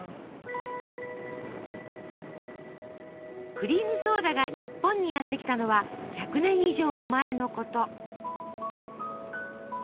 クリームソーダが日本にやって来たのは１００年以上も前のこと。